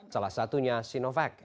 salah satunya sinovac